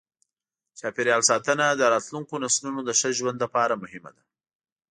چاپېریال ساتنه د راتلونکو نسلونو د ښه ژوند لپاره مهمه ده.